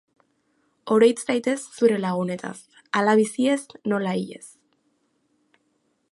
Oroit zaitez zure lagunetaz, hala biziez nola hilez.